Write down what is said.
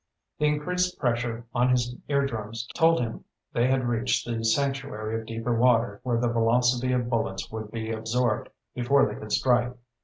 The increased pressure on his eardrums told him they had reached the sanctuary of deeper water where the velocity of bullets would be absorbed before they could strike.